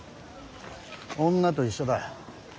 女と一緒だ。